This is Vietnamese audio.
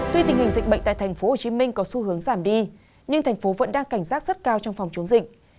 tuy tình hình dịch bệnh tại tp hcm có xu hướng giảm đi nhưng thành phố vẫn đang cảnh giác rất cao trong phòng chống dịch